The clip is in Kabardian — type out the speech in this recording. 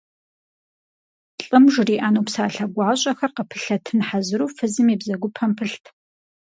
Лӏым жриӀэну псалъэ гуащӀэхэр къыпылъэтын хьэзыру фызым и бзэгупэм пылът.